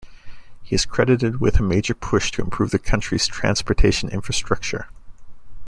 He is credited with a major push to improve the country's transportation infrastructure.